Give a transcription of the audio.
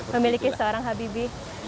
memiliki seorang habibie